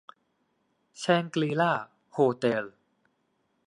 แชงกรี-ลา โฮเต็ล